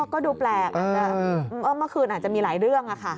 ก็ดูแปลกอาจจะเมื่อคืนอาจจะมีหลายเรื่องค่ะ